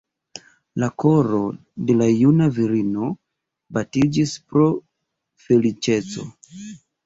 La koro de la juna virino batiĝis pro feliĉeco.